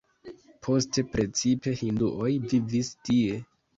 Poste precipe hinduoj vivis tie.